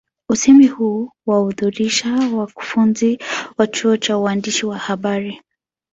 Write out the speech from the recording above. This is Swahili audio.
Usemi huu wanaudhirisha wakufunzi wa chuo cha uandishi wa habari